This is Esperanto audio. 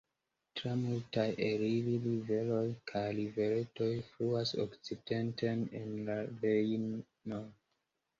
Tra multaj el ili riveroj kaj riveretoj fluas okcidenten en la Rejnon.